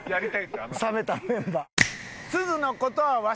冷めたメンバー。